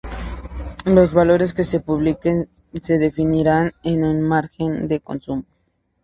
Los valores que se publiquen se definirán en un margen de consumo.